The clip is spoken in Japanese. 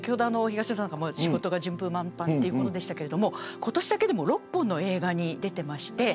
仕事が順風満帆ということでしたが今年だけでも６本の映画に出ています。